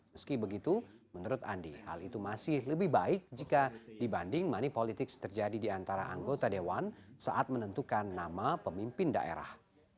meski begitu menurut andi hal itu masih lebih baik jika dibanding money politics terjadi di antara anggota dewan saat menentukan nama pemimpin daerah